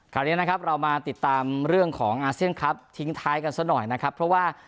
คราวนี้นะครับเรามาติดตามเรื่องของอาเซียนครับทิ้งท้ายกันซะหน่อยนะครับเพราะว่า